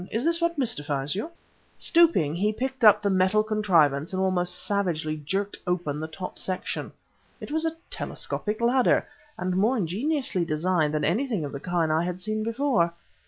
"Is this what mystifies you?" Stooping, he picked up the metal contrivance, and almost savagely jerked open the top section. It was a telescopic ladder, and more ingeniously designed than anything of the kind I had seen before.